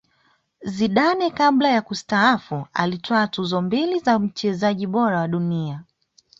zidane kabla ya kustaafu alitwaa tuzo mbili za mchezaji bora wa dunia